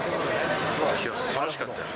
楽しかった。